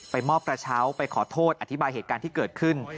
มอบกระเช้าไปขอโทษอธิบายเหตุการณ์ที่เกิดขึ้น